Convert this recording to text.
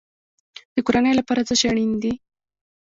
د کورنۍ لپاره څه شی اړین دی؟